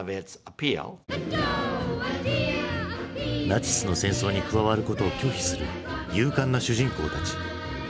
ナチスの戦争に加わることを拒否する勇敢な主人公たち。